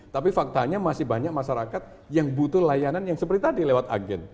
tapi faktanya masih banyak masyarakat yang butuh layanan yang seperti tadi lewat agen